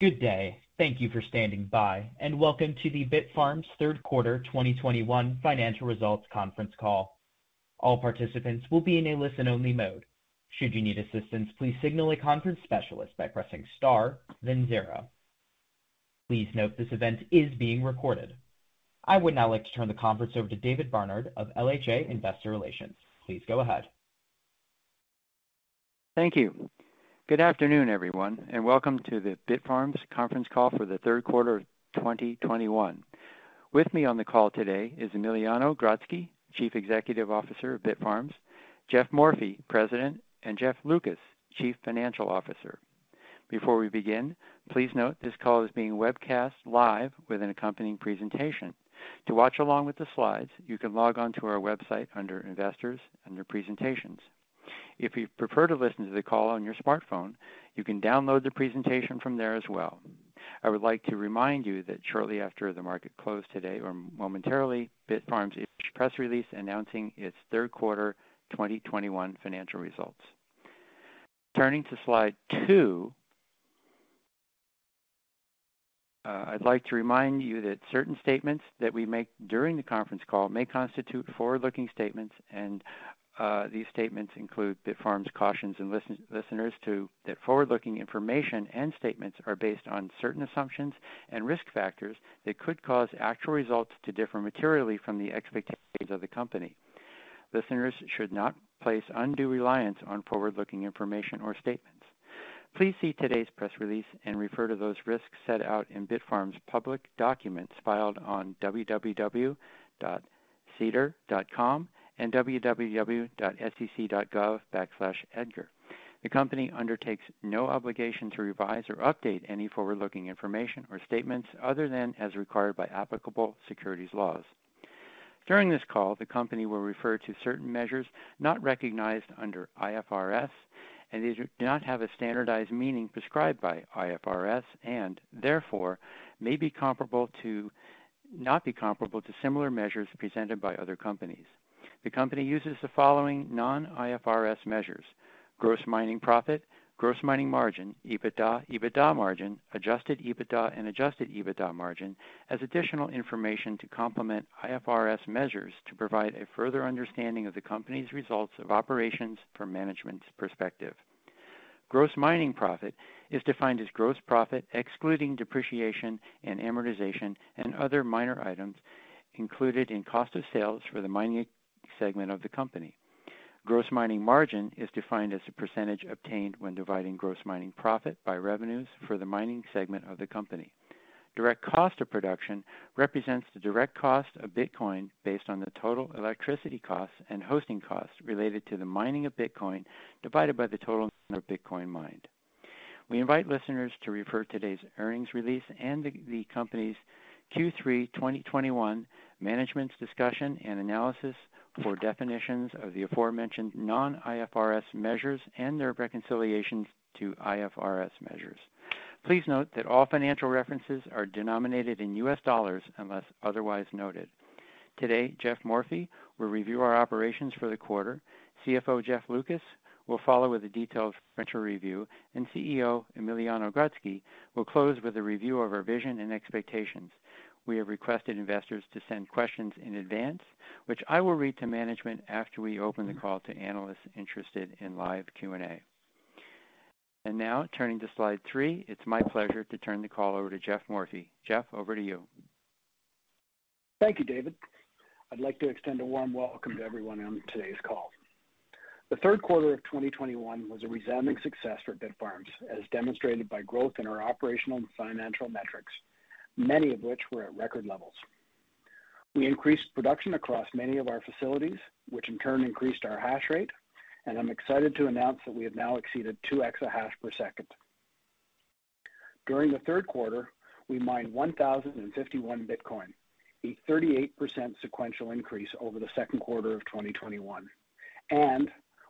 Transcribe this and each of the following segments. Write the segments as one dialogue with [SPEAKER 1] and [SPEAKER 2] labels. [SPEAKER 1] Good day. Thank you for standing by, and welcome to the Bitfarms Q3 2021 financial results Conference Call. All participants will be in a listen-only mode. Should you need assistance, please signal a conference specialist by pressing Star then zero. Please note this event is being recorded. I would now like to turn the conference over to David Barnard of LHA Investor Relations. Please go ahead.
[SPEAKER 2] Thank you. Good afternoon, everyone, and welcome to the Bitfarms Conference Call for the Q3 of 2021. With me on the call today is Emiliano Grodzki, Chief Executive Officer of Bitfarms, Jeff Morphy, President, and Jeff Lucas, Chief Financial Officer. Before we begin, please note this call is being webcast live with an accompanying presentation. To watch along with the slides, you can log on to our website under Investors, under Presentations. If you prefer to listen to the call on your smartphone, you can download the presentation from there as well. I would like to remind you that shortly after the market closed today or momentarily, Bitfarms issued press release announcing its Q3 2021 financial results. Turning to slide two, I'd like to remind you that certain statements that we make during the conference call may constitute forward-looking statements, and these statements. Bitfarms cautions listeners that forward-looking information and statements are based on certain assumptions and risk factors that could cause actual results to differ materially from the expectations of the company. Listeners should not place undue reliance on forward-looking information or statements. Please see today's press release and refer to those risks set out in Bitfarms public documents filed on www.sedar.com and www.sec.gov/edgar. The company undertakes no obligation to revise or update any forward-looking information or statements other than as required by applicable securities laws. During this call, the company will refer to certain measures not recognized under IFRS, and these do not have a standardized meaning prescribed by IFRS and therefore may not be comparable to similar measures presented by other companies. The company uses the following non-IFRS measures: gross mining profit, gross mining margin, EBITDA margin, adjusted EBITDA, and adjusted EBITDA margin as additional information to complement IFRS measures to provide a further understanding of the company's results of operations from management's perspective. Gross mining profit is defined as gross profit, excluding depreciation and amortization and other minor items included in cost of sales for the mining segment of the company. Gross mining margin is defined as the percentage obtained when dividing gross mining profit by revenues for the mining segment of the company. Direct cost of production represents the direct cost of Bitcoin based on the total electricity costs and hosting costs related to the mining of Bitcoin divided by the total number of Bitcoin mined. We invite listeners to refer to today's earnings release and the company's Q3 2021 management's discussion and analysis for definitions of the aforementioned non-IFRS measures and their reconciliations to IFRS measures. Please note that all financial references are denominated in U.S. dollars unless otherwise noted. Today, Geoffrey Morphy will review our operations for the quarter. CFO Jeff Lucas will follow with a detailed financial review, and CEO Emiliano Grodzki will close with a review of our vision and expectations. We have requested investors to send questions in advance, which I will read to management after we open the call to analysts interested in live Q&A. Now, turning to slide three, it's my pleasure to turn the call over to Jeff Morphy. Jeff, over to you.
[SPEAKER 3] Thank you, David. I'd like to extend a warm welcome to everyone on today's call. The Q3 of 2021 was a resounding success for Bitfarms, as demonstrated by growth in our operational and financial metrics, many of which were at record levels. We increased production across many of our facilities, which in turn increased our hash rate, and I'm excited to announce that we have now exceeded two exahash per second. During the Q3, we mined 1,051 Bitcoin, a 38% sequential increase over the Q2 of 2021, and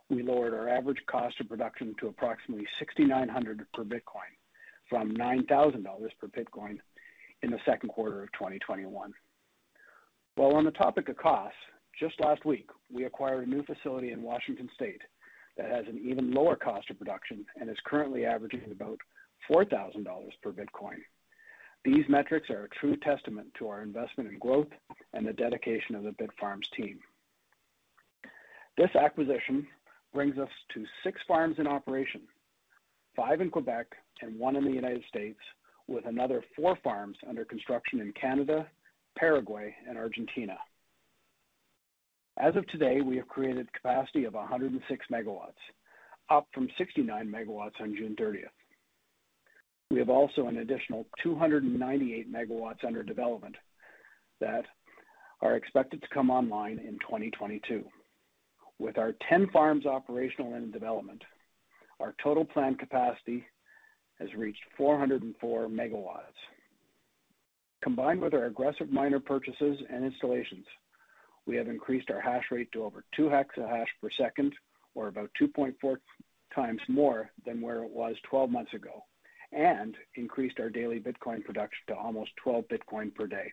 [SPEAKER 3] we lowered our average cost of production to approximately $6,900 per Bitcoin from $9,000 per Bitcoin in the Q2 of 2021. While on the topic of costs, just last week, we acquired a new facility in Washington State that has an even lower cost of production and is currently averaging about $4,000 per Bitcoin. These metrics are a true testament to our investment in growth and the dedication of the Bitfarms team. This acquisition brings us to six farms in operation, five in Quebec and one in the U.S., with another four farms under construction in Canada, Paraguay, and Argentina. As of today, we have created capacity of 106 MW, up from 69 MW on 30 June. We have also an additional 298 MW under development that are expected to come online in 2022. With our 10 farms operational in development, our total planned capacity has reached 404 MW. Combined with our aggressive miner purchases and installations, we have increased our hash rate to over two exahash per second, or about 2.4 times more than where it was 12 months ago and increased our daily Bitcoin production to almost 12 Bitcoin per day.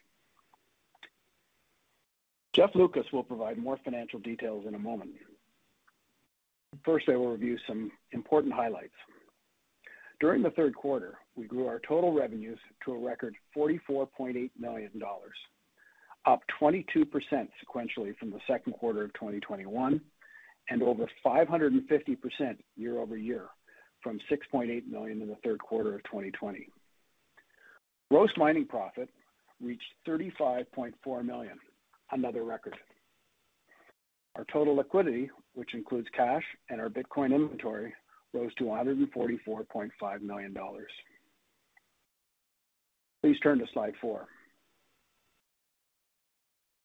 [SPEAKER 3] Jeff Lucas will provide more financial details in a moment. First, I will review some important highlights. During the Q3, we grew our total revenues to a record $44.8 million, up 22% sequentially from the Q2 of 2021, and over 550% year-over-year from $6.8 million in the Q3 of 2020. Gross mining profit reached $35.4 million, another record. Our total liquidity, which includes cash and our Bitcoin inventory, rose to $144.5 million. Please turn to slide four.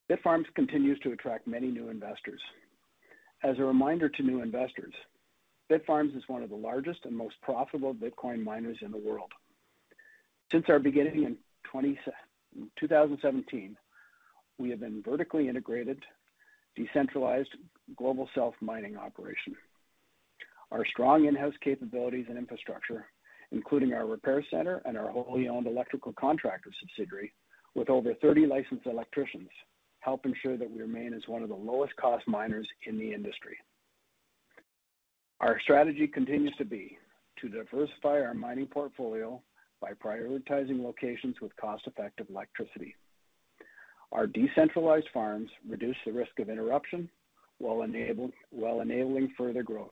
[SPEAKER 3] Bitfarms continues to attract many new investors. As a reminder to new investors, Bitfarms is one of the largest and most profitable Bitcoin miners in the world. Since our beginning in 2017, we have been vertically integrated, decentralized, global self-mining operation. Our strong in-house capabilities and infrastructure, including our repair center and our wholly owned electrical contractor subsidiary with over 30 licensed electricians, help ensure that we remain as one of the lowest cost miners in the industry. Our strategy continues to be to diversify our mining portfolio by prioritizing locations with cost-effective electricity. Our decentralized farms reduce the risk of interruption while enabling further growth.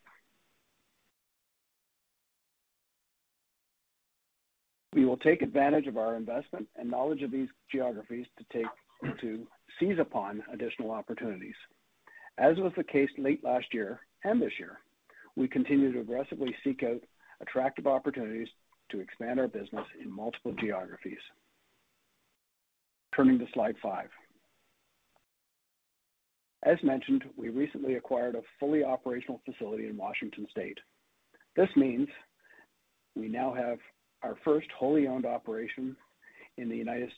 [SPEAKER 3] We will take advantage of our investment and knowledge of these geographies to seize upon additional opportunities. As was the case late last year and this year, we continue to aggressively seek out attractive opportunities to expand our business in multiple geographies. Turning to slide five. As mentioned, we recently acquired a fully operational facility in Washington State. This means we now have our first wholly owned operation in the U.S.,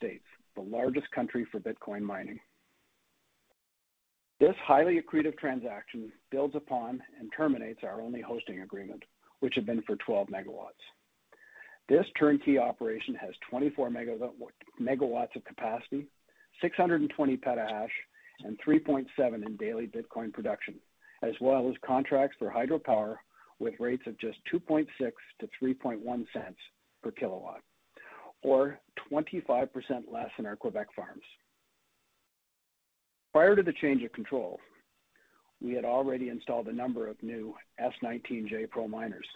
[SPEAKER 3] the largest country for Bitcoin mining. This highly accretive transaction builds upon and terminates our only hosting agreement, which had been for 12 MW. This turnkey operation has 24 MW of capacity, 620 petahash, and 3.7 in daily Bitcoin production, as well as contracts for hydropower with rates of just $0.026-$0.031 per kWh, or 25% less than our Quebec farms. Prior to the change of control, we had already installed a number of new S19j Pro miners.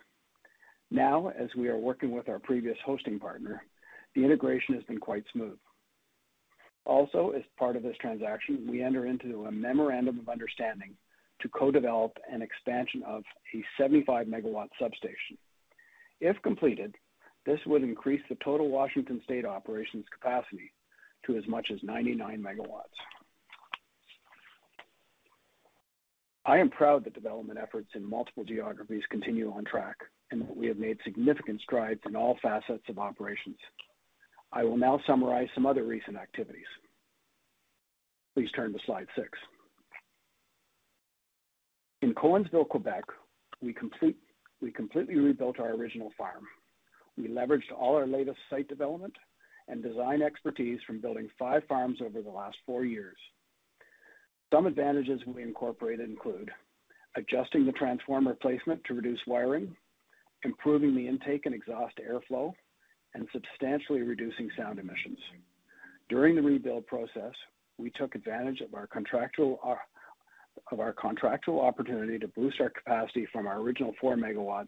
[SPEAKER 3] Now, as we are working with our previous hosting partner, the integration has been quite smooth. Also, as part of this transaction, we enter into a memorandum of understanding to co-develop an expansion of a 75 MW substation. If completed, this would increase the total Washington State operations capacity to as much as 99 MW. I am proud that the development efforts in multiple geographies continue on track and that we have made significant strides in all facets of operations. I will now summarize some other recent activities. Please turn to slide six. In Cowansville, Quebec, we completely rebuilt our original farm. We leveraged all our latest site development and design expertise from building five farms over the last four years. Some advantages we incorporated include adjusting the transformer placement to reduce wiring, improving the intake and exhaust airflow, and substantially reducing sound emissions. During the rebuild process, we took advantage of our contractual opportunity to boost our capacity from our original 4 MW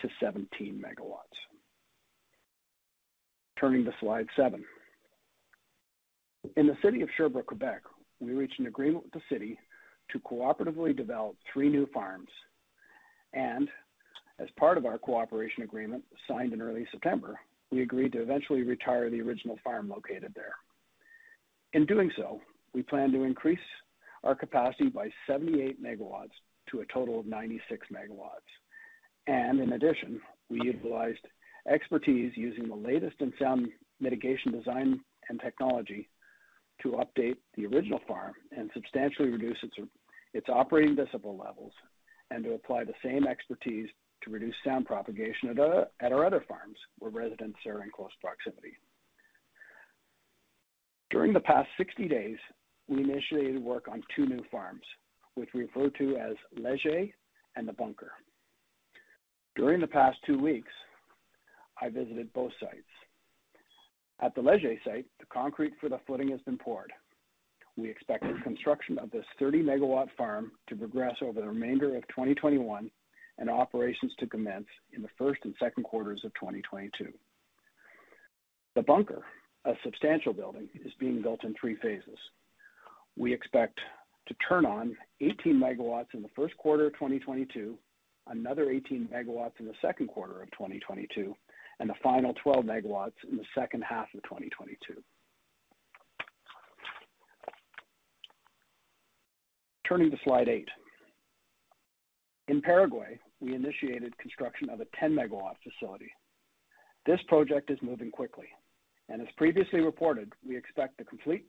[SPEAKER 3] to 17 MW. Turning to slide seven. In the city of Sherbrooke, Quebec, we reached an agreement with the city to cooperatively develop three new farms. As part of our cooperation agreement signed in early September, we agreed to eventually retire the original farm located there. In doing so, we plan to increase our capacity by 78 MW to a total of 96 MW. In addition, we utilized expertise using the latest in sound mitigation design and technology to update the original farm and substantially reduce its operating decibel levels and to apply the same expertise to reduce sound propagation at our other farms where residents are in close proximity. During the past 60 days, we initiated work on two new farms, which we refer to as Leger and The Bunker. During the past two weeks, I visited both sites. At the Leger site, the concrete for the footing has been poured. We expect the construction of this 30-MW farm to progress over the remainder of 2021 and operations to commence in the Q1 and Q2 of 2022. The Bunker, a substantial building, is being built in three phases. We expect to turn on 18 MW in the Q1 of 2022, another 18 MW in the Q2 of 2022, and the final 12 MW in the H2 of 2022. Turning to slide eight. In Paraguay, we initiated construction of a 10-MW facility. This project is moving quickly, and as previously reported, we expect to complete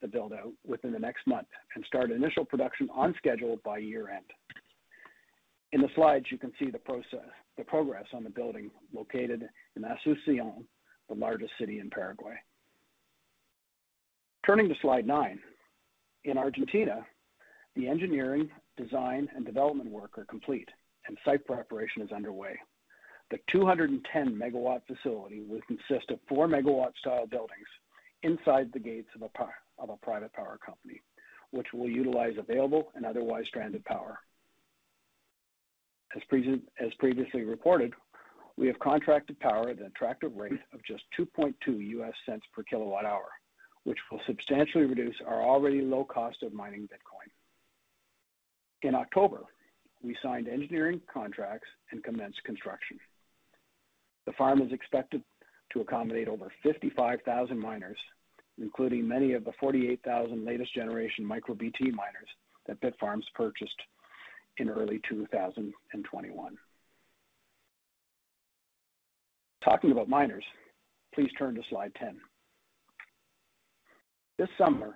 [SPEAKER 3] the build-out within the next month and start initial production on schedule by year-end. In the slides, you can see the progress on the building located in Asunción, the largest city in Paraguay. Turning to slide nine. In Argentina, the engineering, design, and development work are complete, and site preparation is underway. The 210 MW facility will consist of 4MW style buildings inside the gates of a private power company, which will utilize available and otherwise stranded power. As previously reported, we have contracted power at an attractive rate of just $0.022 per kWh, which will substantially reduce our already low cost of mining Bitcoin. In October, we signed engineering contracts and commenced construction. The farm is expected to accommodate over 55,000 miners, including many of the 48,000 latest generation MicroBT miners that Bitfarms purchased in early 2021. Talking about miners, please turn to slide 10. This summer,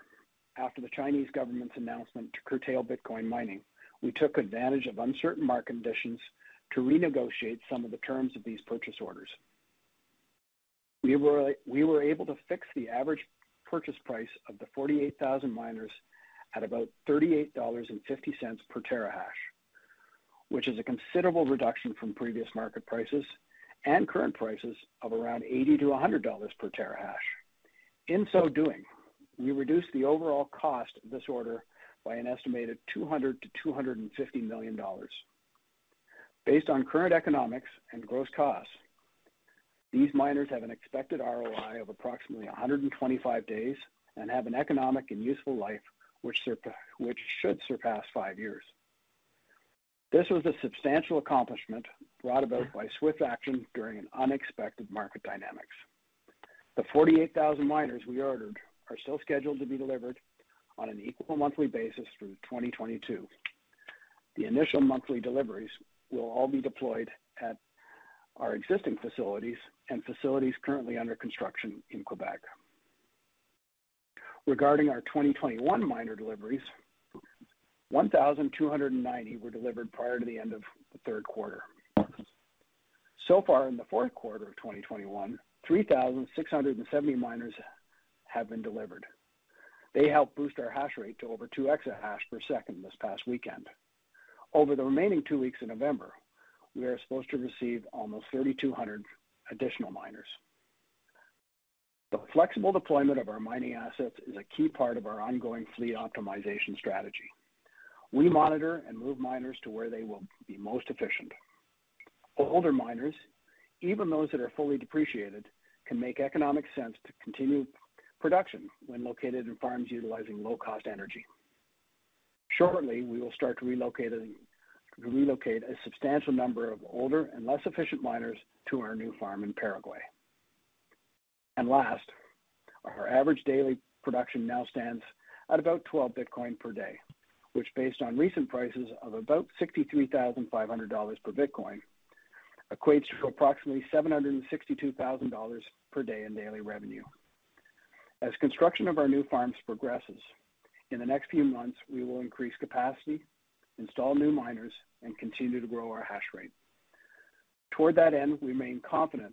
[SPEAKER 3] after the Chinese government's announcement to curtail Bitcoin mining, we took advantage of uncertain market conditions to renegotiate some of the terms of these purchase orders. We were able to fix the average purchase price of the 48,000 miners at about $38.50 per terahash, which is a considerable reduction from previous market prices and current prices of around $80-$100 per terahash. In so doing, we reduced the overall cost of this order by an estimated $200 million-$250 million. Based on current economics and gross costs, these miners have an expected ROI of approximately 125 days and have an economic and useful life which should surpass five years. This was a substantial accomplishment brought about by swift action during an unexpected market dynamic. The 48,000 miners we ordered are still scheduled to be delivered on an equal monthly basis through 2022. The initial monthly deliveries will all be deployed at our existing facilities and facilities currently under construction in Quebec. Regarding our 2021 miner deliveries, 1,290 were delivered prior to the end of the Q3. So far in the Q4 of 2021, 3,670 miners have been delivered. They helped boost our hash rate to over two exahash per second this past weekend. Over the remaining two weeks in November, we are supposed to receive almost 3,200 additional miners. The flexible deployment of our mining assets is a key part of our ongoing fleet optimization strategy. We monitor and move miners to where they will be most efficient. Older miners, even those that are fully depreciated, can make economic sense to continue production when located in farms utilizing low-cost energy. Shortly, we will start to relocate a substantial number of older and less efficient miners to our new farm in Paraguay. Last, our average daily production now stands at about 12 Bitcoin per day, which based on recent prices of about $63,500 per Bitcoin, equates to approximately $762,000 per day in daily revenue. As construction of our new farms progresses, in the next few months, we will increase capacity, install new miners, and continue to grow our hash rate. Toward that end, we remain confident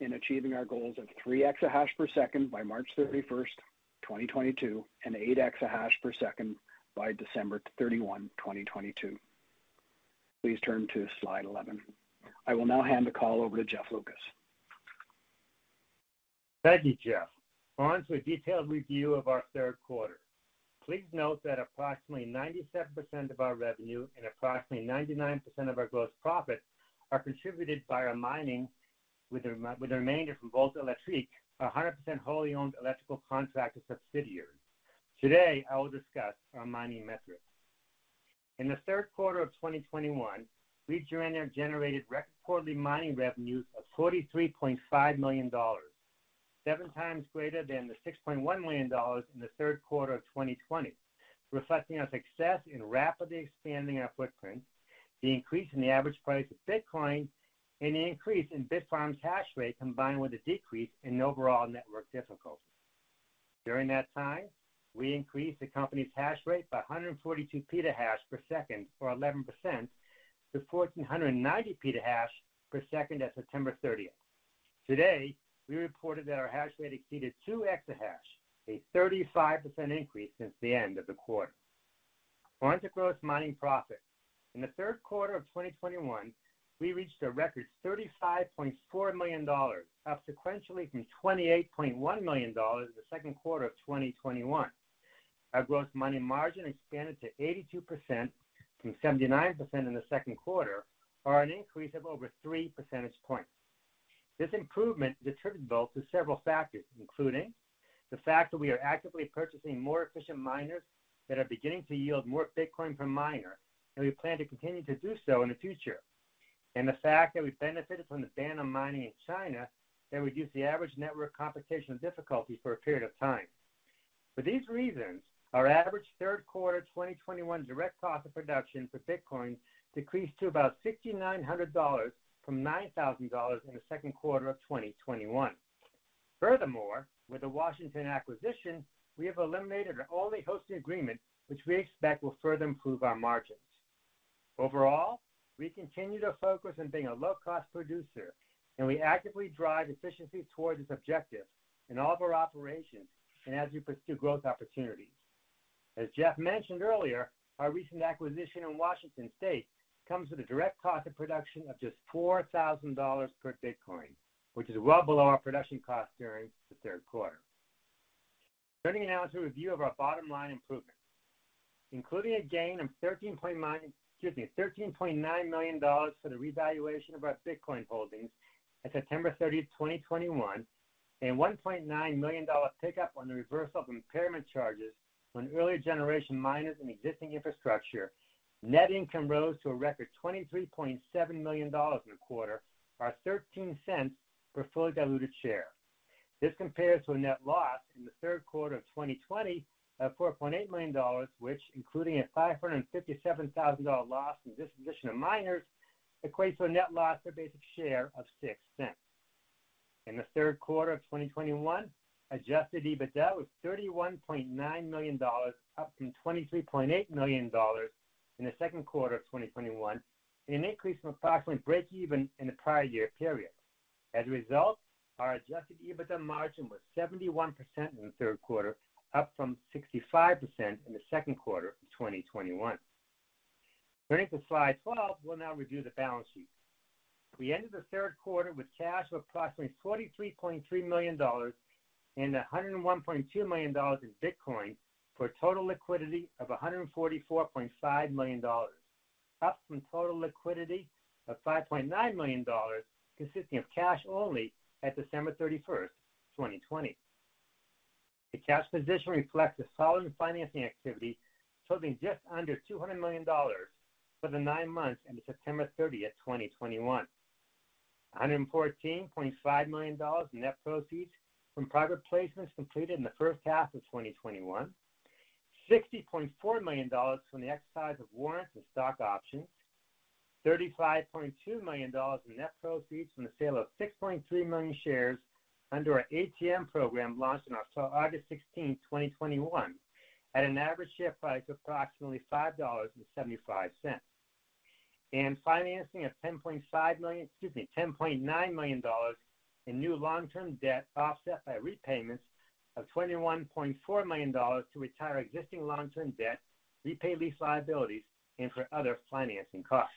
[SPEAKER 3] in achieving our goals of three exahash per second by 31 March 2022, and eight exahash per second by 31 December 2022. Please turn to slide 11. I will now hand the call over to Jeff Lucas.
[SPEAKER 4] Thank you, Jeff. On to a detailed review of our Q3. Please note that approximately 97% of our revenue and approximately 99% of our gross profit are contributed by our mining, with the remainder from Volta Électrique, our 100% wholly owned electrical contractor subsidiary. Today, I will discuss our mining metrics. In the Q3 of 2021, we generated record quarterly mining revenues of $43.5 million, seven times greater than the $6.1 million in the Q3 of 2020, reflecting our success in rapidly expanding our footprint, the increase in the average price of Bitcoin, and the increase in Bitfarms' hash rate, combined with a decrease in overall network difficulty. During that time, we increased the company's hash rate by 142 petahash per second, or 11%, to 1,490 petahash per second at 30 September 30. Today, we reported that our hash rate exceeded two exahash, a 35% increase since the end of the quarter. On to gross mining profit. In the Q3 of 2021, we reached a record $35.4 million, up sequentially from $28.1 million in the Q2 of 2021. Our gross mining margin expanded to 82% from 79% in the Q2, or an increase of over three percentage points. This improvement is attributable to several factors, including the fact that we are actively purchasing more efficient miners that are beginning to yield more Bitcoin per miner, and we plan to continue to do so in the future, and the fact that we benefited from the ban on mining in China that reduced the average network computational difficulty for a period of time. For these reasons, our average Q3 2021 direct cost of production for Bitcoin decreased to about $6,900 from $9,000 in the Q2 of 2021. Furthermore, with the Washington acquisition, we have eliminated our only hosting agreement, which we expect will further improve our margins. Overall, we continue to focus on being a low-cost producer, and we actively drive efficiency towards this objective in all of our operations and as we pursue growth opportunities. As Jeff mentioned earlier, our recent acquisition in Washington State comes with a direct cost of production of just $4,000 per Bitcoin, which is well below our production cost during the Q3. Turning now to a review of our bottom-line improvements. Including a gain of $13.9 million for the revaluation of our Bitcoin holdings at 30 September 2021, and $1.9 million pickup on the reversal of impairment charges on earlier generation miners and existing infrastructure, net income rose to a record $23.7 million in the quarter, or $0.13 per fully diluted share. This compares to a net loss in the Q3 of 2020 of $4.8 million, which including a $557,000 loss in disposition of miners, equates to a net loss per basic share of $0.06. In the Q3 of 2021, adjusted EBITDA was $31.9 million, up from $23.8 million in the Q2 of 2021, and an increase from approximately break-even in the prior year period. As a result, our adjusted EBITDA margin was 71% in the Q3, up from 65% in the Q2 of 2021. Turning to slide 12, we'll now review the balance sheet. We ended the Q3 with cash of approximately $23.3 million and $101.2 million in Bitcoin, for a total liquidity of $144.5 million, up from total liquidity of $5.9 million, consisting of cash only at 31 December 2020. The cash position reflects a solid financing activity totaling just under $200 million for the nine months ending 30 September 2021. $114.5 million in net proceeds from private placements completed in the H1 of 2021. $60.4 million from the exercise of warrants and stock options. $35.2 million in net proceeds from the sale of 6.3 million shares under our ATM program launched on 16 August 2021, at an average share price of approximately $5.75. Financing of $10.5 million, excuse me, $10.9 million in new long-term debt, offset by repayments of $21.4 million to retire existing long-term debt, repay lease liabilities, and for other financing costs.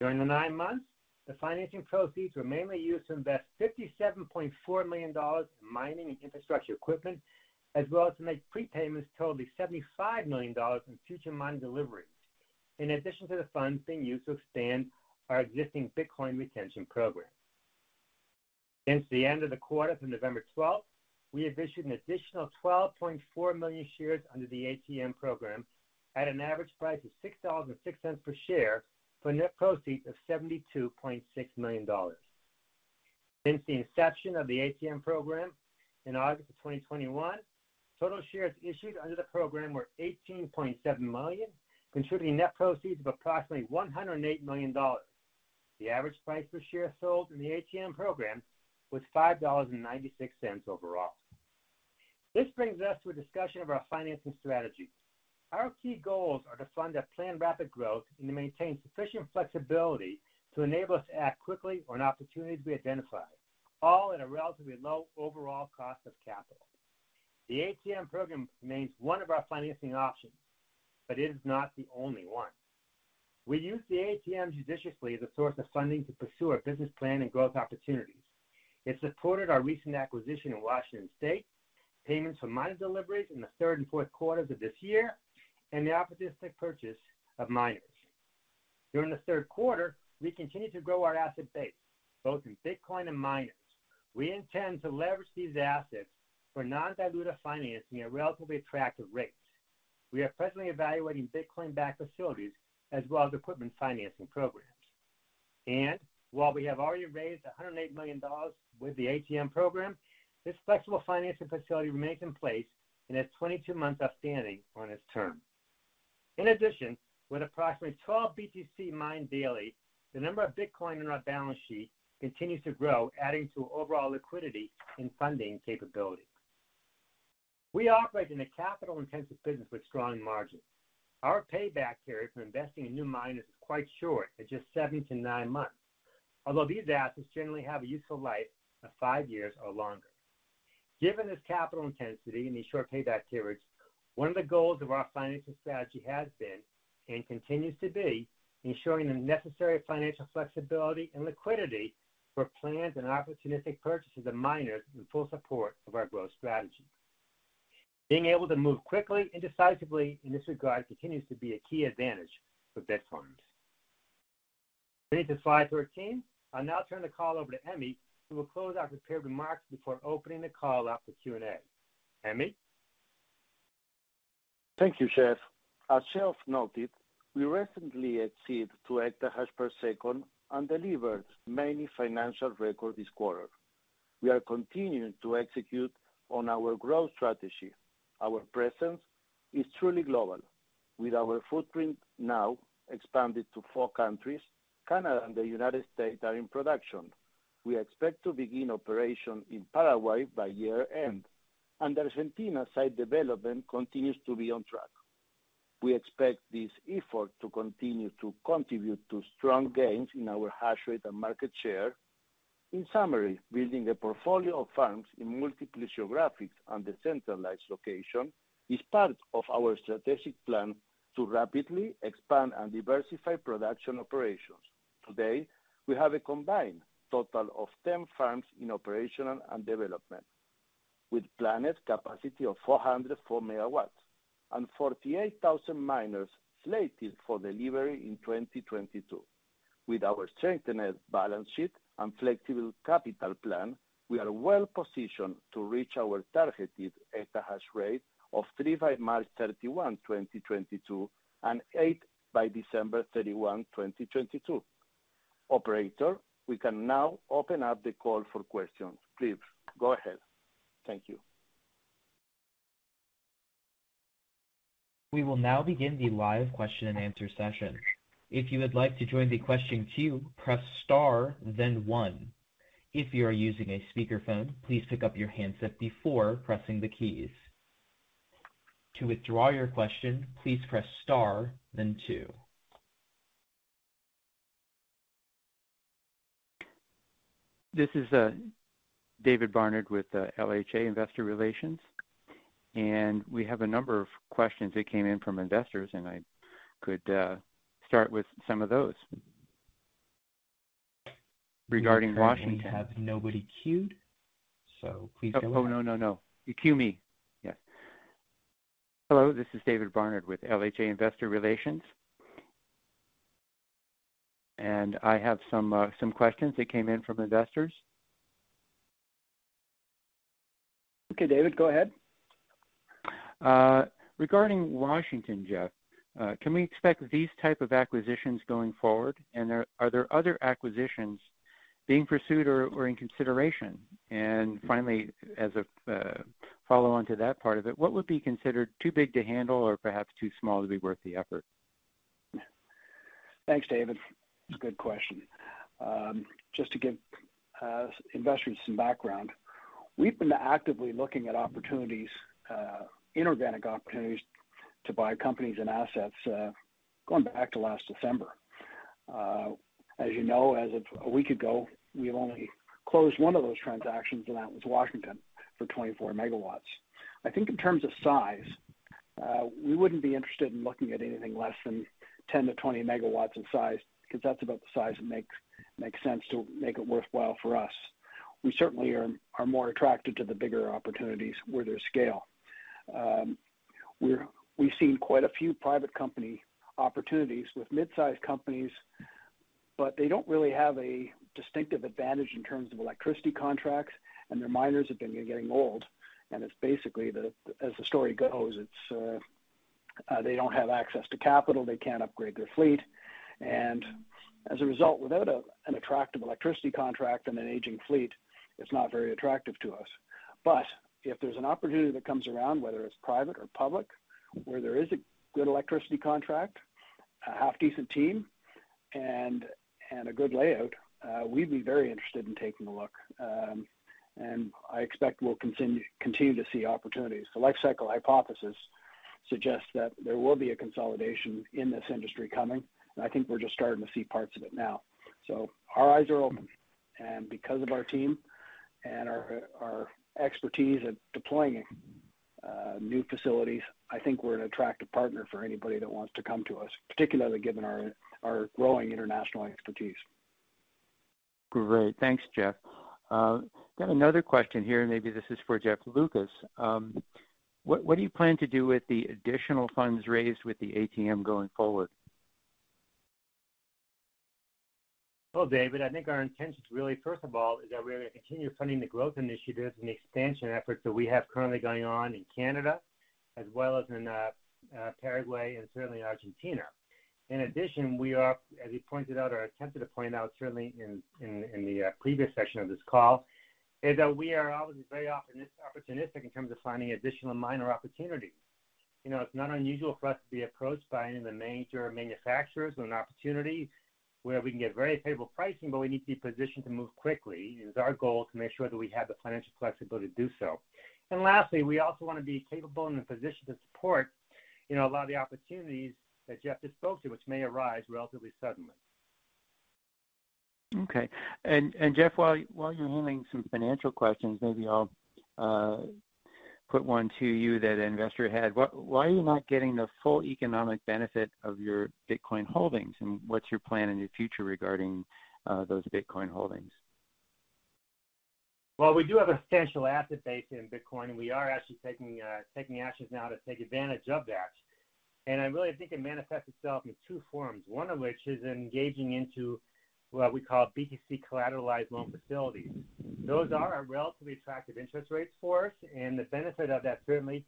[SPEAKER 4] During the nine months, the financing proceeds were mainly used to invest $57.4 million in mining and infrastructure equipment, as well as to make prepayments totaling $75 million in future miner deliveries, in addition to the funds being used to expand our existing Bitcoin retention program. Since the end of the quarter through 12 November, we have issued an additional 12.4 million shares under the ATM program at an average price of $6.06 per share for net proceeds of $72.6 million. Since the inception of the ATM program in August 2021, total shares issued under the program were 18.7 million, contributing net proceeds of approximately $108 million. The average price per share sold in the ATM program was $5.96 overall. This brings us to a discussion of our financing strategy. Our key goals are to fund our planned rapid growth and to maintain sufficient flexibility to enable us to act quickly on opportunities we identify, all at a relatively low overall cost of capital. The ATM program remains one of our financing options, but it is not the only one. We use the ATM judiciously as a source of funding to pursue our business plan and growth opportunities. It supported our recent acquisition in Washington State, payments for mined deliveries in the Q3 and Q4 of this year, and the opportunistic purchase of miners. During the Q3, we continued to grow our asset base, both in Bitcoin and miners. We intend to leverage these assets for non-dilutive financing at relatively attractive rates. We are presently evaluating Bitcoin-backed facilities as well as equipment financing programs. While we have already raised $108 million with the ATM program, this flexible financing facility remains in place and has 22 months outstanding on its term. In addition, with approximately 12 BTC mined daily, the number of Bitcoin on our balance sheet continues to grow, adding to overall liquidity and funding capability. We operate in a capital-intensive business with strong margins. Our payback period for investing in new miners is quite short at just seven to nine months, although these assets generally have a useful life of five years or longer. Given this capital intensity and these short payback periods, one of the goals of our financing strategy has been, and continues to be, ensuring the necessary financial flexibility and liquidity for planned and opportunistic purchases of miners in full support of our growth strategy. Being able to move quickly and decisively in this regard continues to be a key advantage for Bitfarms. Turning to slide 13. I'll now turn the call over to Emmy, who will close out his prepared remarks before opening the call up for Q&A. Emmy?
[SPEAKER 5] Thank you, Jeff. As Jeff noted, we recently exceeded two exahash per second and delivered many financial records this quarter. We are continuing to execute on our growth strategy. Our presence is truly global. With our footprint now expanded to four countries, Canada and the U.S. are in production. We expect to begin operation in Paraguay by year-end, and Argentina site development continues to be on track. We expect this effort to continue to contribute to strong gains in our hash rate and market share. In summary, building a portfolio of farms in multiple geographies and decentralized locations is part of our strategic plan to rapidly expand and diversify production operations. Today, we have a combined total of 10 farms in operation and development, with planned capacity of 404 MW and 48,000 miners slated for delivery in 2022. With our strengthened balance sheet and flexible capital plan, we are well positioned to reach our targeted exahash rate of three by 31 March 2022 and eight by 31 December 2022. Operator, we can now open up the call for questions. Please go ahead. Thank you.
[SPEAKER 1] We will now begin the live question and answer session. If you would like to join the question queue, press star then one. If you are using a speakerphone, please pick up your handset before pressing the keys. To withdraw your question, please press star then two.
[SPEAKER 2] This is David Barnard with LHA Investor Relations, and we have a number of questions that came in from investors, and I could start with some of those.
[SPEAKER 5] Regarding Washington has nobody queued?
[SPEAKER 2] No. Hello, this is David Barnard with LHA Investor Relations. I have some questions that came in from investors.
[SPEAKER 3] Okay, David, go ahead.
[SPEAKER 2] Regarding Washington, Jeff, can we expect these type of acquisitions going forward? Are there other acquisitions being pursued or in consideration? Finally, as a follow-on to that part of it, what would be considered too big to handle or perhaps too small to be worth the effort?
[SPEAKER 3] Thanks, David. That's a good question. Just to give investors some background, we've been actively looking at opportunities, inorganic opportunities to buy companies and assets, going back to last December. As you know, as of a week ago, we've only closed one of those transactions, and that was Washington for 24 MW. I think in terms of size, we wouldn't be interested in looking at anything less than 10 MW-20 MW in size because that's about the size that makes sense to make it worthwhile for us. We certainly are more attracted to the bigger opportunities where there's scale. We've seen quite a few private company opportunities with mid-sized companies, but they don't really have a distinctive advantage in terms of electricity contracts, and their miners have been getting old. It's basically as the story goes, it's they don't have access to capital. They can't upgrade their fleet. As a result, without an attractive electricity contract and an aging fleet, it's not very attractive to us. If there's an opportunity that comes around, whether it's private or public, where there is a good electricity contract, a half-decent team and a good layout, we'd be very interested in taking a look. I expect we'll continue to see opportunities. The lifecycle hypothesis suggests that there will be a consolidation in this industry coming, and I think we're just starting to see parts of it now. Our eyes are open. Because of our team and our expertise at deploying new facilities, I think we're an attractive partner for anybody that wants to come to us, particularly given our growing international expertise.
[SPEAKER 2] Great. Thanks, Jeff. Got another question here, and maybe this is for Jeff Lucas. What do you plan to do with the additional funds raised with the ATM going forward?
[SPEAKER 4] Well, David, I think our intention is really, first of all, is that we're gonna continue funding the growth initiatives and the expansion efforts that we have currently going on in Canada as well as in Paraguay and certainly Argentina. In addition, we are, as you pointed out or attempted to point out certainly in the previous session of this call, is that we are always very opportunistic in terms of finding additional miner opportunities. You know, it's not unusual for us to be approached by any of the major manufacturers with an opportunity where we can get very favorable pricing, but we need to be positioned to move quickly, and it is our goal to make sure that we have the financial flexibility to do so. Lastly, we also wanna be capable and in a position to support, you know, a lot of the opportunities that Jeff just spoke to, which may arise relatively suddenly.
[SPEAKER 2] Okay. Jeff, while you're handling some financial questions, maybe I'll put one to you that an investor had. Why are you not getting the full economic benefit of your Bitcoin holdings, and what's your plan in the future regarding those Bitcoin holdings?
[SPEAKER 4] Well, we do have a substantial asset base in Bitcoin, and we are actually taking actions now to take advantage of that. I really think it manifests itself in two forms, one of which is engaging in what we call BTC collateralized loan facilities. Those are a relatively attractive interest rates for us, and the benefit of that certainly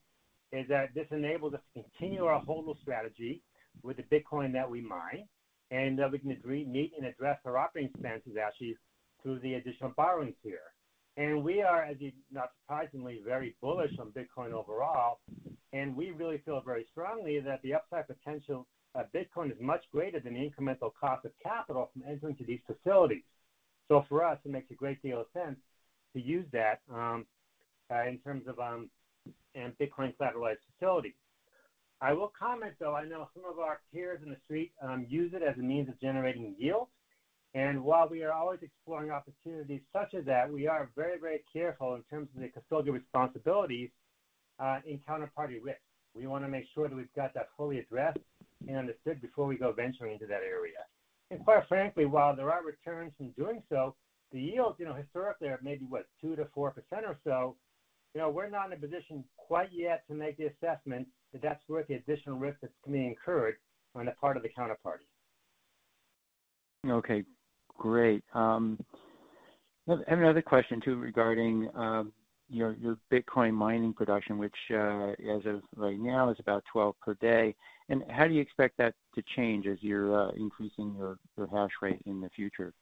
[SPEAKER 4] is that this enables us to continue our HODL strategy with the Bitcoin that we mine, and we can meet and address our operating expenses actually through the additional borrowings here. We are, as you, not surprisingly, very bullish on Bitcoin overall, and we really feel very strongly that the upside potential of Bitcoin is much greater than the incremental cost of capital from entering into these facilities. For us, it makes a great deal of sense to use that in terms of Bitcoin-collateralized facilities. I will comment, though. I know some of our peers in the Street use it as a means of generating yield. While we are always exploring opportunities such as that, we are very, very careful in terms of the custodial responsibilities in counterparty risk. We wanna make sure that we've got that fully addressed and understood before we go venturing into that area. Quite frankly, while there are returns from doing so, the yields, you know, historically are maybe, what, 2%-4% or so. You know, we're not in a position quite yet to make the assessment that that's worth the additional risk that's being incurred on the part of the counterparty.
[SPEAKER 2] Okay, great. Another question too regarding your Bitcoin mining production, which as of right now is about 12 per day. How do you expect that to change as you're increasing your hash rate in the future?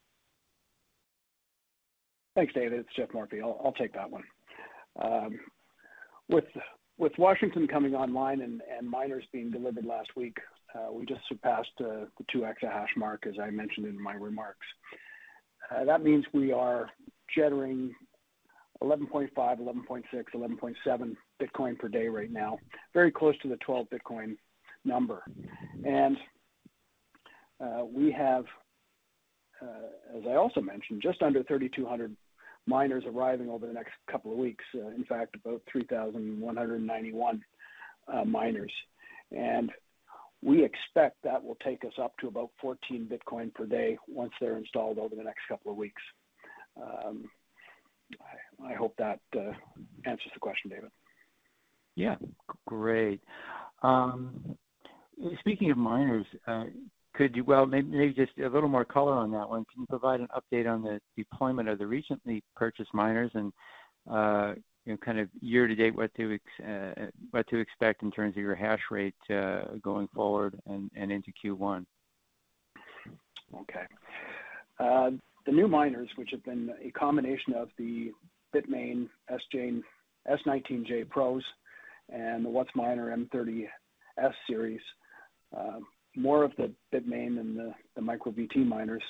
[SPEAKER 3] Thanks, David. It's Jeff Morphy. I'll take that one. With Washington coming online and miners being delivered last week, we just surpassed the two exahash mark, as I mentioned in my remarks. That means we are generating 11.5, 11.6, 11.7 Bitcoin per day right now, very close to the 12 Bitcoin number. We have, as I also mentioned, just under 3,200 miners arriving over the next couple of weeks. In fact, about 3,191 miners. We expect that will take us up to about 14 Bitcoin per day once they're installed over the next couple of weeks. I hope that answers the question, David.
[SPEAKER 2] Yeah. Great. Speaking of miners, could you... Well, maybe just a little more color on that one. Can you provide an update on the deployment of the recently purchased miners and, you know, kind of year to date, what to expect in terms of your hash rate, going forward and into Q1?
[SPEAKER 3] Okay. The new miners, which have been a combination of the Bitmain S19j Pros and the WhatsMiner M30S series, more of the Bitmain than the MicroBT miners,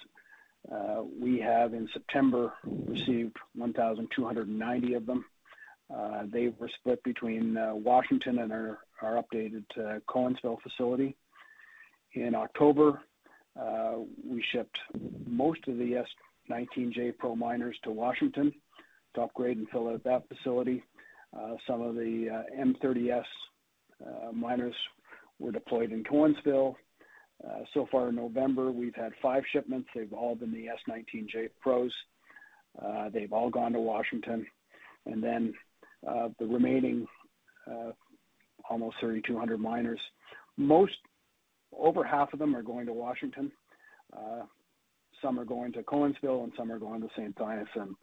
[SPEAKER 3] we have in September received 1,290 of them. They were split between Washington and our updated Cowansville facility. In October, we shipped most of the S19j Pro miners to Washington to upgrade and fill out that facility. Some of the M30S miners were deployed in Cowansville. So far in November, we've had five shipments. They've all been the S19j Pros. They've all gone to Washington. The remaining almost 3,200 miners, most, over half of them are going to Washington. Some are going to Cowansville, and some are going to Saint-Hyacinthe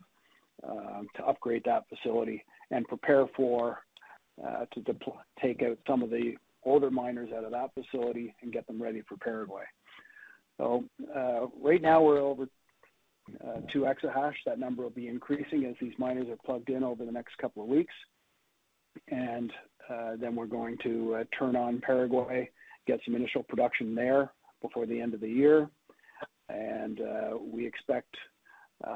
[SPEAKER 3] to upgrade that facility and prepare to take out some of the older miners out of that facility and get them ready for Paraguay. Right now we're over two exahash. That number will be increasing as these miners are plugged in over the next couple of weeks. We're going to turn on Paraguay, get some initial production there before the end of the year. We expect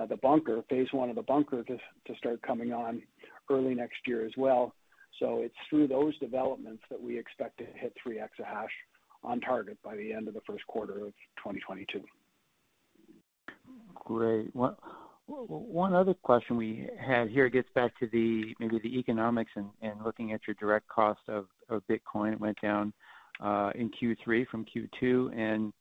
[SPEAKER 3] the bunker, phase one of the bunker to start coming on early next year as well. It's through those developments that we expect to hit three exahash on target by the end of the Q1 of 2022.
[SPEAKER 2] Great. One other question we had here gets back to the maybe the economics and looking at your direct cost of Bitcoin. It went down in Q3 from Q2.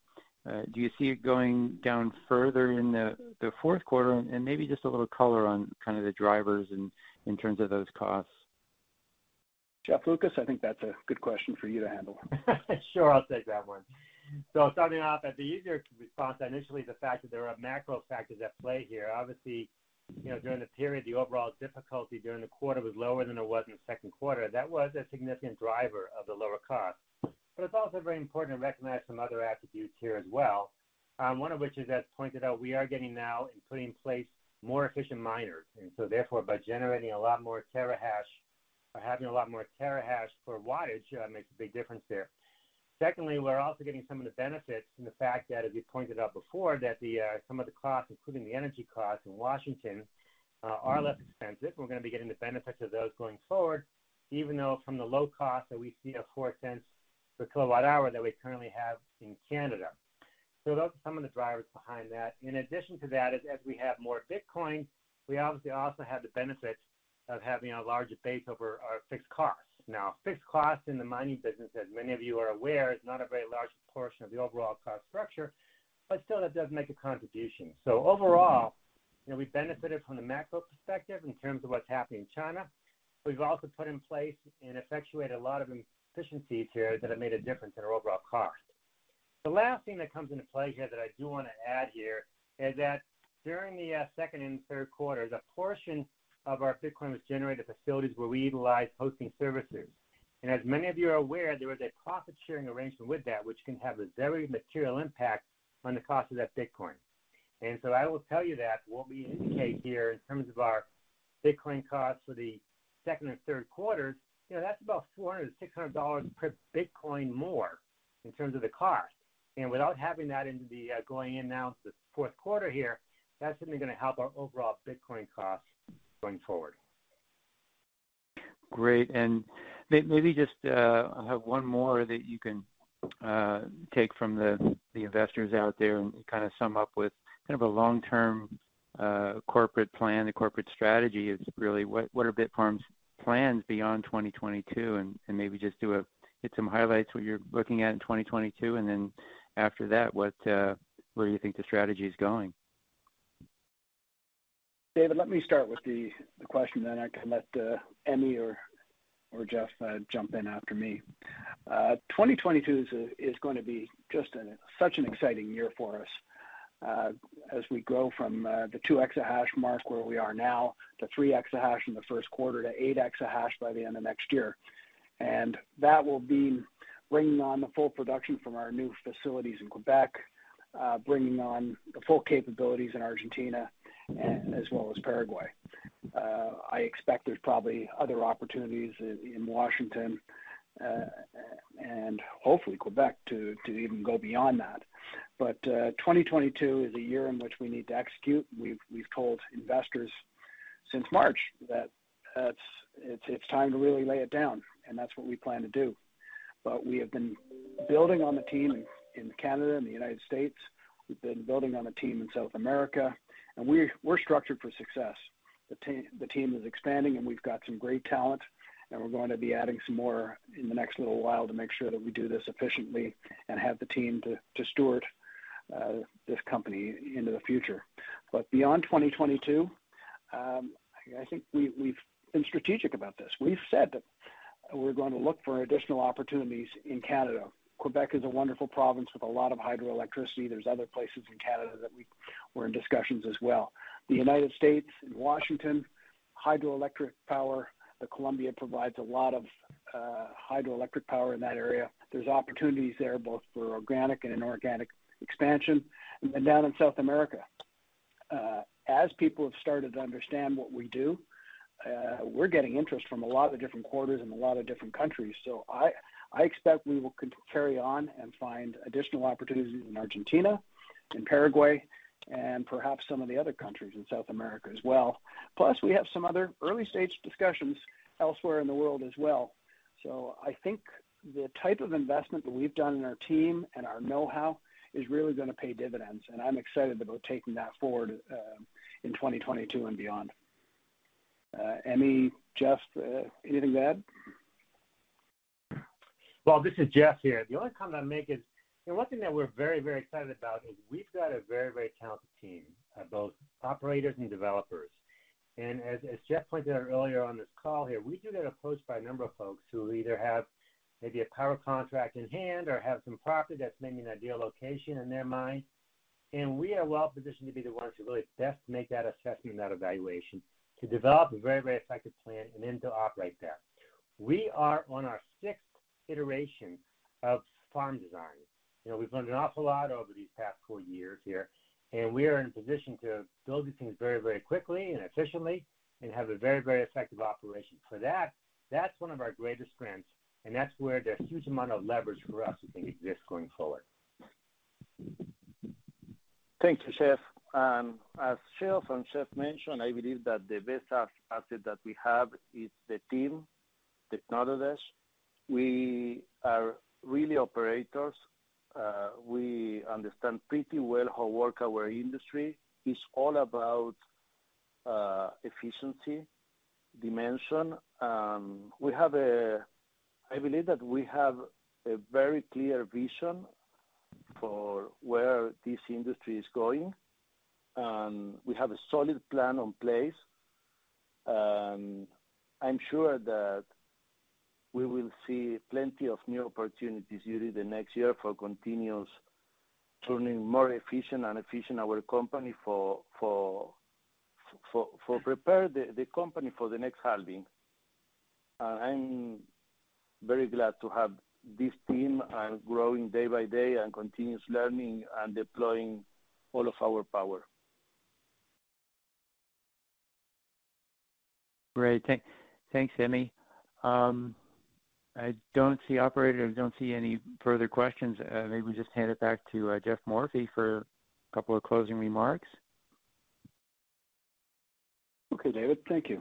[SPEAKER 2] Do you see it going down further in the Q4? Maybe just a little color on kind of the drivers in terms of those costs.
[SPEAKER 3] Jeff Lucas, I think that's a good question for you to handle.
[SPEAKER 4] Sure, I'll take that one. Starting off at the easier response initially is the fact that there are macro factors at play here. Obviously, you know, during the period, the overall difficulty during the quarter was lower than it was in the Q2. That was a significant driver of the lower cost. It's also very important to recognize some other attributes here as well, one of which is, as pointed out, we are getting now and putting in place more efficient miners by generating a lot more terahash or having a lot more terahash per wattage makes a big difference there. Secondly, we're also getting some of the benefits from the fact that, as we pointed out before, that some of the costs, including the energy costs in Washington, are less expensive. We're gonna be getting the benefits of those going forward, even though from the low cost that we see of $0.04 per kWh that we currently have in Canada. Those are some of the drivers behind that. In addition to that is, as we have more Bitcoin, we obviously also have the benefit of having a larger base over our fixed costs. Now, fixed costs in the mining business, as many of you are aware, is not a very large portion of the overall cost structure, but still that does make a contribution. Overall, you know, we benefited from the macro perspective in terms of what's happening in China. We've also put in place and effectuated a lot of efficiencies here that have made a difference in our overall cost. The last thing that comes into play here that I do wanna add here is that during the Q2 and Q3, a portion of our Bitcoin was generated at facilities where we utilize hosting services. As many of you are aware, there was a profit-sharing arrangement with that which can have a very material impact on the cost of that Bitcoin. I will tell you that what we indicate here in terms of our Bitcoin costs for the Q2 and Q3, you know, that's about $400-$600 per Bitcoin more in terms of the cost. Without having that into the going in now into the Q4 here, that's certainly gonna help our overall Bitcoin costs going forward.
[SPEAKER 2] Great. Maybe just I have one more that you can take from the investors out there and kinda sum up with kind of a long-term corporate plan. The corporate strategy is really what are Bitfarms' plans beyond 2022? Maybe just get some highlights what you're looking at in 2022, and then after that, where you think the strategy is going.
[SPEAKER 3] David, let me start with the question, then I can let Emmy or Jeff jump in after me. 2022 is gonna be just such an exciting year for us, as we grow from the two exahash mark where we are now, to three exahash in the Q1, to eight exahash by the end of next year. That will be bringing on the full production from our new facilities in Quebec, bringing on the full capabilities in Argentina as well as Paraguay. I expect there's probably other opportunities in Washington, and hopefully Quebec to even go beyond that. 2022 is a year in which we need to execute. We've told investors since March that it's time to really lay it down, and that's what we plan to do. We have been building on the team in Canada and the U.S.. We've been building on a team in South America, and we're structured for success. The team is expanding, and we've got some great talent, and we're going to be adding some more in the next little while to make sure that we do this efficiently and have the team to steward this company into the future. Beyond 2022, I think we've been strategic about this. We've said that we're gonna look for additional opportunities in Canada. Quebec is a wonderful province with a lot of hydroelectricity. There are other places in Canada that we're in discussions as well. The U.S. and Washington hydroelectric power. The Columbia provides a lot of hydroelectric power in that area. There are opportunities there both for organic and inorganic expansion. Down in South America, as people have started to understand what we do, we're getting interest from a lot of different quarters and a lot of different countries. I expect we will carry on and find additional opportunities in Argentina and Paraguay and perhaps some of the other countries in South America as well. Plus, we have some other early-stage discussions elsewhere in the world as well. I think the type of investment that we've done in our team and our know-how is really gonna pay dividends, and I'm excited about taking that forward in 2022 and beyond. Emmy, Jeff, anything to add?
[SPEAKER 4] Well, this is Jeff here. The only comment I'd make is, you know, one thing that we're very, very excited about is we've got a very, very talented team of both operators and developers. As Jeff pointed out earlier on this call here, we do get approached by a number of folks who either have maybe a power contract in-hand or have some property that's maybe an ideal location in their mind, and we are well-positioned to be the ones who really best make that assessment and that evaluation to develop a very, very effective plan and then to operate that. We are on our sixth iteration of farm design. You know, we've learned an awful lot over these past four years here, and we are in a position to build these things very, very quickly and efficiently and have a very, very effective operation. That's one of our greatest strengths, and that's where there's huge amount of leverage for us I think exists going forward.
[SPEAKER 5] Thanks, Jeff. As Phil and Jeff mentioned, I believe that the best asset that we have is the team, the knowledge. We are really operators. We understand pretty well how our work in our industry is all about efficiency and mission. We have a very clear vision for where this industry is going, and we have a solid plan in place. I'm sure that we will see plenty of new opportunities during the next year for continuously turning our company more efficient and preparing the company for the next halving. I'm very glad to have this team and growing day by day and continuously learning and deploying all of our power.
[SPEAKER 2] Great. Thanks, Emmy. Operator, I don't see any further questions. Maybe just hand it back to Jeff Morphy for a couple of closing remarks.
[SPEAKER 3] Okay, David. Thank you.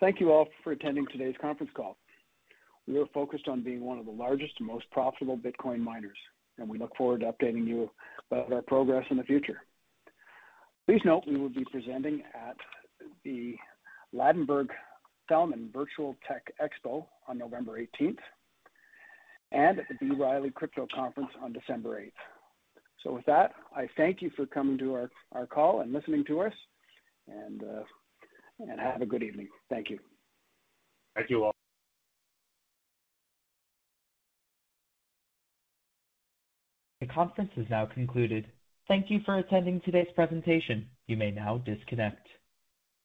[SPEAKER 3] Thank you all for attending today's conference call. We are focused on being one of the largest and most profitable Bitcoin miners, and we look forward to updating you about our progress in the future. Please note we will be presenting at the Ladenburg Thalmann Virtual Technology Expo on November eighteenth, and at the B. Riley Financial Crypto Conference on December eighth. With that, I thank you for coming to our call and listening to us. Have a good evening. Thank you.
[SPEAKER 4] Thank you all.
[SPEAKER 1] The conference is now concluded. Thank you for attending today's presentation. You may now disconnect.